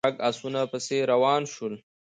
شپږ آسونه پسې روان شول.